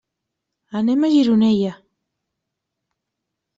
Anem a Gironella.